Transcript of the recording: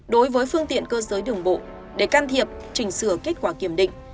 đối với phương tiện cơ giới đường bộ để can thiệp chỉnh sửa kết quả kiểm định